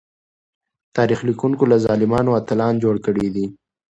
تاريخ ليکونکو له ظالمانو اتلان جوړ کړي دي.